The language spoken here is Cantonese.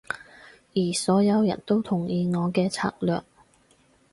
而所有人都同意我嘅策略